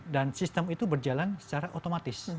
dan sistem itu berjalan secara otomatis